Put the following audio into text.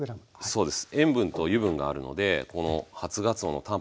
そうです。